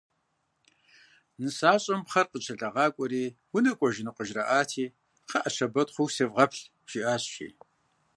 Нысащӏэм пхъэр къыкӏэлъагъакӏуэри «унэкӏуэжыну?» къыжыраӏати, «Кхъыӏэ, щэбэт хъуху севгъэплъ», жиӏащ жи.